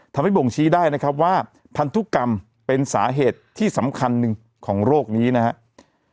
บ่งชี้ได้นะครับว่าพันธุกรรมเป็นสาเหตุที่สำคัญหนึ่งของโรคนี้นะครับ